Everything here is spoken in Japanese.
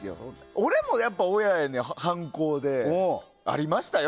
俺もやっぱり親への反抗でありましたよ。